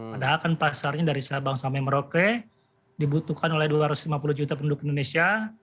padahal kan pasarnya dari sabang sampai merauke dibutuhkan oleh dua ratus lima puluh juta penduduk indonesia